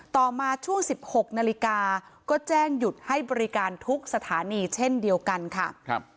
ต่อมาช่วง๑๖นาฬิกาก็แจ้งหยุดให้บริการทุกสถานีเช่นเดียวกันค่ะ